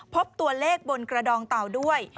พบตัวเลขบนกระดองเต่าด้วย